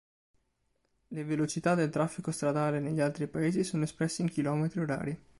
Le velocità del traffico stradale negli altri Paesi sono espresse in chilometri orari.